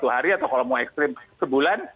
dua puluh satu hari atau kalau mau ekstrim sebulan